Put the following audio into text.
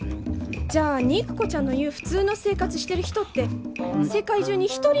じゃあ肉子ちゃんの言う普通の生活してる人って世界中に一人もおらんやん。